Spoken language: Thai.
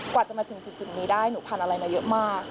กว่าจะมาถึงจุดนี้ได้หนูผ่านอะไรมาเยอะมาก